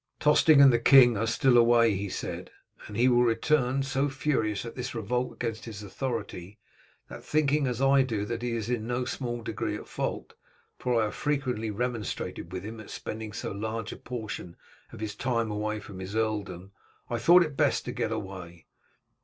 "Tostig and the king are still away," he said, "and he will return so furious at this revolt against his authority, that, thinking as I do that he is in no small degree at fault for I have frequently remonstrated with him at spending so large a portion of his time away from his earldom, I thought it best to get away."